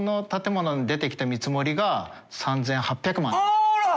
あら！